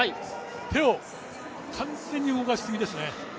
手を完全に動かしすぎですね。